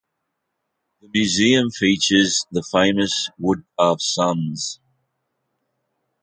The museum features the famous wood carved suns.